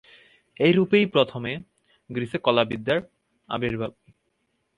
এইরূপেই প্রথমে গ্রীসে কলাবিদ্যার আবির্ভাব।